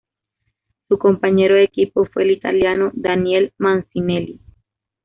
Su compañero de equipo fue el Italiano Daniel Mancinelli.